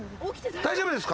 大丈夫ですか？